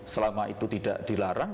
selama itu tidak dilarang